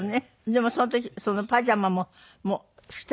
でもその時そのパジャマも捨てられ。